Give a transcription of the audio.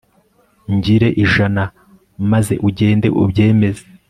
ngire ijana Maze ugende ubyemeza